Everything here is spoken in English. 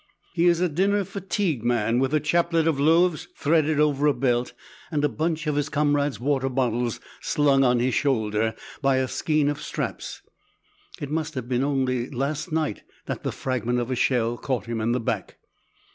He is a dinner fatigue man, with a chaplet of loaves threaded over a belt, and a bunch of his comrades' water bottles slung on his shoulder by a skein of straps. It must have been only last night that the fragment of a shell caught him in the back.